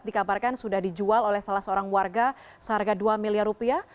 dikabarkan sudah dijual oleh salah seorang warga seharga dua miliar rupiah